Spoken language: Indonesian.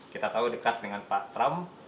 kita tahu dekat dengan pak trump